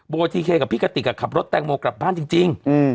โบทีเคย์กับพี่กะติกอ่ะขับรถแตงโมกลับบ้านจริงจริงอืม